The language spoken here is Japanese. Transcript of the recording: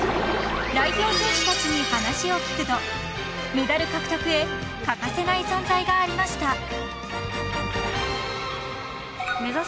［代表選手たちに話を聞くとメダル獲得へ欠かせない存在がありました］